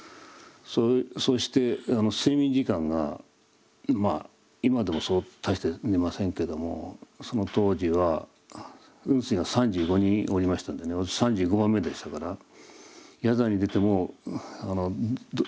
そして睡眠時間がまあ今でもそう大して寝ませんけどもその当時は雲水が３５人おりましたんでね３５番目でしたから夜坐に出ても禅堂に戻るのは３５番目ですよ。